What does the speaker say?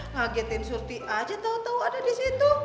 ngagetin surti aja tau tau ada di situ